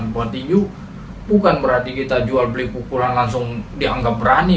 buat tinju bukan berarti kita jual beli pukulan langsung dianggap berani